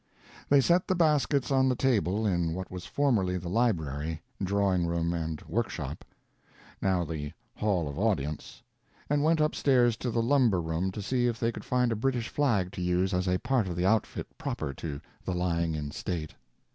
They set the baskets on the table in what was formerly the library, drawing room and workshop—now the Hall of Audience—and went up stairs to the lumber room to see if they could find a British flag to use as a part of the outfit proper to the lying in state.